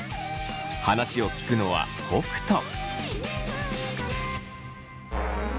話を聞くのは北斗。